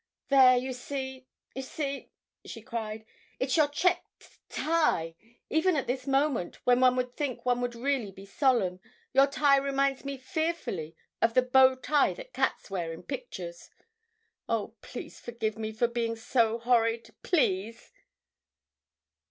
"There, you see, you see," she cried, "it's your check t tie. Even at this moment, when one would think one really would be solemn, your tie reminds me fearfully of the bow tie that cats wear in pictures! Oh, please forgive me for being so horrid, please!"